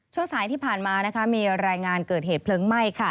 ช่วงสายที่ผ่านมามีรายงานเกิดเหตุเพลิงไหม้